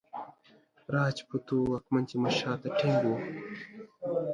راجپوتو واکمن تیمورشاه ته ټینګ وو.